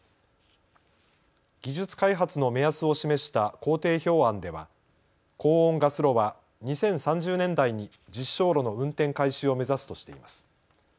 技術開発の目安を示した工程表案では高温ガス炉は２０３０年代に実証炉の運転開始を目指すとしています。